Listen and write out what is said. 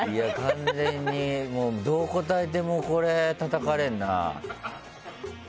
完全に、もうどう答えてもこれはたたかれるな。